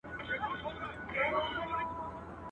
چي اوبه وي تيمم ته څه حاجت دئ.